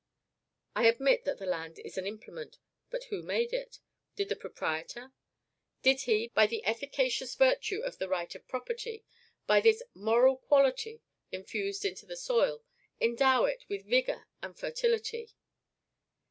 I admit that the land is an implement; but who made it? Did the proprietor? Did he by the efficacious virtue of the right of property, by this MORAL QUALITY infused into the soil endow it with vigor and fertility?